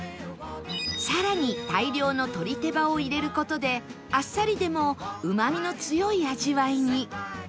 更に大量の鶏手羽を入れる事であっさりでもうまみの強い味わいに